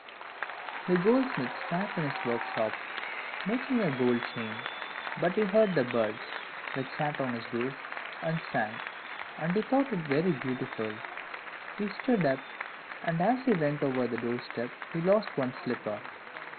The goldsmith sat in his workshop, making a gold chain, but he heard the bird, which sat on his roof, and sang, and he thought it very beautiful. He stood up, and as he went over the door step he lost one slipper.